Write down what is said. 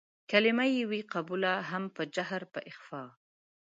کلمه يې وي قبوله هم په جهر په اخفا